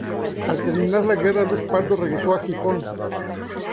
Al terminar la guerra, Luis Pardo regresó a Gijón.